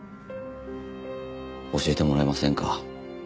教えてもらえませんか？